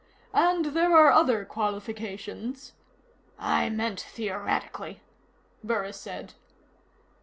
And there are other qualifications " "I meant theoretically," Burris said.